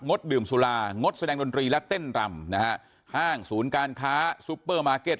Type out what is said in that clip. ดดื่มสุรางดแสดงดนตรีและเต้นรำนะฮะห้างศูนย์การค้าซุปเปอร์มาร์เก็ต